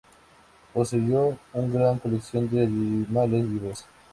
Poseyó una gran colección de animales vivos.